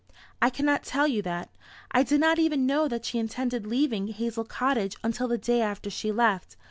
"I cannot tell you that, I did not even know that she intended leaving Hazel Cottage until the day after she left.